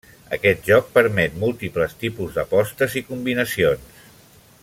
Aquest joc permet múltiples tipus d'apostes i combinacions.